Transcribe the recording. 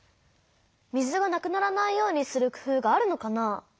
水がなくならないようにするくふうがあるのかな？